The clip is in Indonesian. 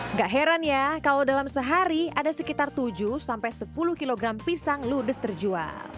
nggak heran ya kalau dalam sehari ada sekitar tujuh sampai sepuluh kilogram pisang ludes terjual